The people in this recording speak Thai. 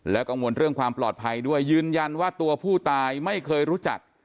กังวลเรื่องความปลอดภัยด้วยยืนยันว่าตัวผู้ตายไม่เคยรู้จัก